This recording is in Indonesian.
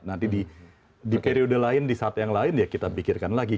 nanti di periode lain di saat yang lain ya kita pikirkan lagi